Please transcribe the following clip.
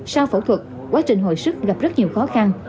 sau phẫu thuật quá trình hồi sức gặp rất nhiều khó khăn